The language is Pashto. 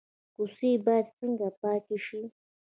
کوڅې باید څنګه پاکې شي؟